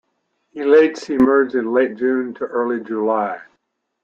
Alates emerge in late June to early July.